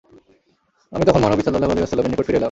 আমি তখন মহানবী সাল্লাল্লাহু আলাইহি ওয়াসাল্লামের নিকট ফিরে এলাম।